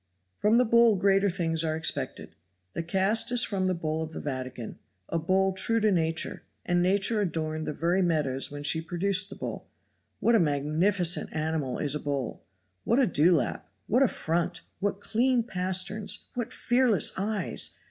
From the bull greater things are expected. The cast is from the bull of the Vatican, a bull true to Nature, and Nature adorned the very meadows when she produced the bull. What a magnificent animal is a bull! what a dewlap! what a front! what clean pasterns! what fearless eyes!